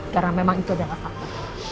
karena memang itu adalah fakta